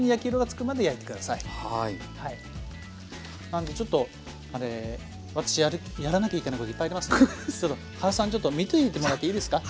なんでちょっとあれ私やらなきゃいけないこといっぱいありますんでちょっと原さんちょっと見ていてもらっていいですか？